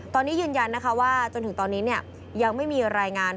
ตอนนี้ยืนยันนะคะว่าจนถึงตอนนี้ยังไม่มีรายงาน